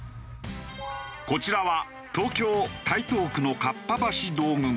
こちらは東京台東区のかっぱ橋道具街。